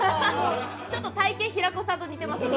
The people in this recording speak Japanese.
ちょっと体形平子さんと似てます